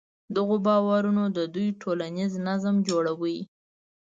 دغو باورونو د دوی ټولنیز نظم جوړاوه.